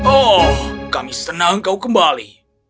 oh kami senang kau kembali